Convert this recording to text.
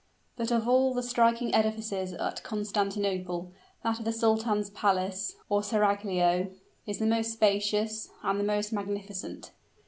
But of all the striking edifices at Constantinople, that of the Sultan's Palace, or seraglio, is the most spacious and the most magnificent.